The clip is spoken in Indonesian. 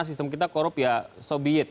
sistem kita korup ya sobiet